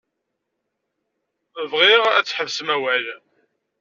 Bɣiɣ ad tḥebsem awal.